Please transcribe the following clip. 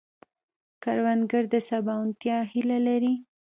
کروندګر د سباوونتیا هیله لري